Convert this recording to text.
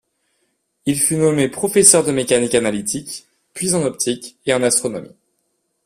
Il fut nommé professeur de mécanique analytique, puis en optique et en astronomie.